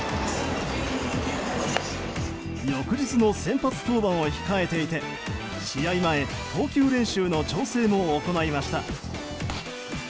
翌日の先発登板を控えていて試合前、投球練習の調整も行いました。